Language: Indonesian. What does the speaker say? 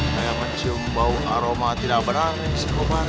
saya mencium bau aroma tidak benar sikopar